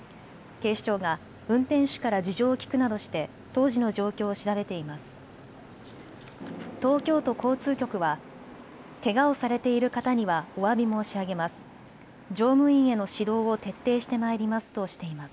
警視庁が運転手から事情を聞くなどして当時の状況を調べています。